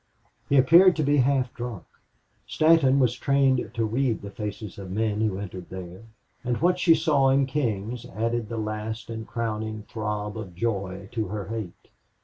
He appeared to be half drunk. Stanton was trained to read the faces of men who entered there; and what she saw in King's added the last and crowning throb of joy to her hate.